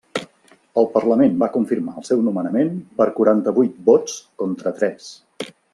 El parlament va confirmar el seu nomenament per quaranta-vuit vots contra tres.